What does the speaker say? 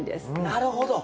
なるほど。